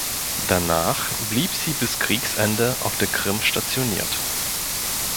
Danach blieb sie bis Kriegsende auf der Krim stationiert.